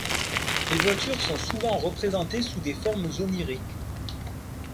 Les voitures sont souvent représentées sous des formes oniriques.